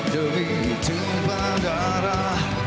demi tumpah darah